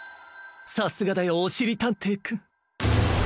さすがだよおしりたんていくん。